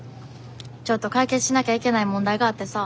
ちょっと解決しなきゃいけない問題があってさ。